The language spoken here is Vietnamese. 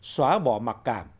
xóa bỏ mặc cảm